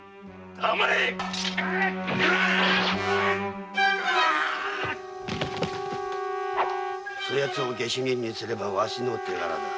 黙れっそやつを下手人にすればわしの手柄だ。